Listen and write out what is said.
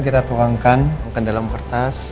kita tuangkan ke dalam kertas